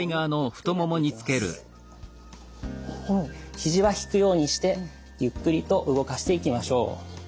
肘は引くようにしてゆっくりと動かしていきましょう。